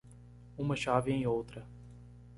Uma chave em outra.